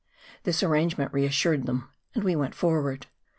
This arrangement reassured them; and we went forward.